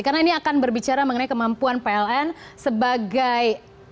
karena ini akan berbicara mengenai kemampuan pln sebagai